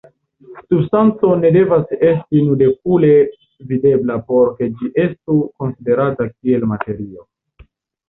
Substanco ne devas esti nud-okule videbla por ke ĝi estu konsiderata kiel materio.